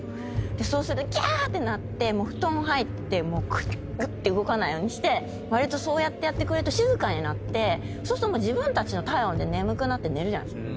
そうすると「キャーッ！」ってなって布団入ってこうやってぐって動かないようにしてわりとそうやってやってくれると静かになってそうすると自分たちの体温で眠くなって寝るじゃないですか。